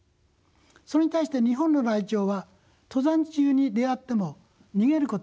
それに対して日本のライチョウは登山中に出会っても逃げることはしません。